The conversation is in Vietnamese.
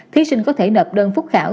thí sinh có thể nập đơn phúc khảo